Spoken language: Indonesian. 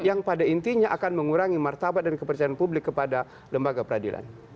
yang pada intinya akan mengurangi martabat dan kepercayaan publik kepada lembaga peradilan